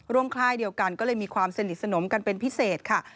ค่ายเดียวกันก็เลยมีความสนิทสนมกันเป็นพิเศษค่ะ